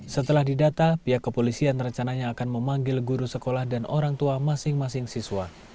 setelah didata pihak kepolisian rencananya akan memanggil guru sekolah dan orang tua masing masing siswa